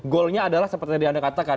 goalnya adalah seperti yang dikatakan